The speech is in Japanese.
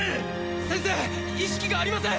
先生意識がありません！